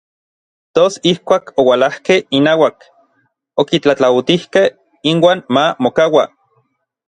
Tos ijkuak oualajkej inauak, okitlatlautijkej inuan ma mokaua.